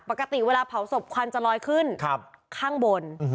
ปกติเวลาเผาศพควันจะลอยขึ้นข้างบน